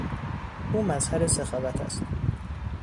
او مظهر سخاوت است.